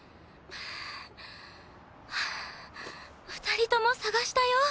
２人とも捜したよ。